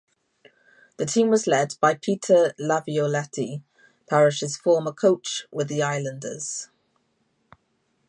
The team was led by Peter Laviolette, Parrish's former coach with the Islanders.